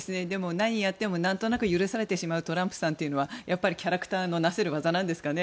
何をやっても何となく許されてしまうトランプさんというのはやっぱりキャラクターのなせる業ですかね。